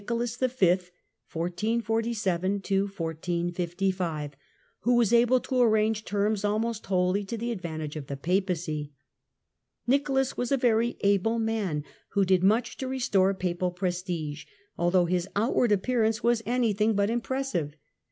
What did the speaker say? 1447 Nicholas V., who was able to arrange terms almost ^^ wholly to the advantage of the Papacy. Nicholas was a very able man, who did much to restore Papal prestige, although his outward appearance was anything but impressive.